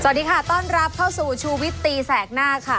สวัสดีค่ะต้อนรับเข้าสู่ชูวิตตีแสกหน้าค่ะ